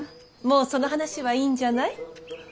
もうその話はいいんじゃない？